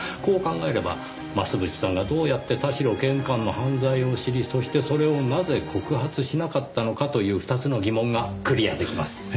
こう考えれば増渕さんがどうやって田代刑務官の犯罪を知りそしてそれをなぜ告発しなかったのかという２つの疑問がクリア出来ます。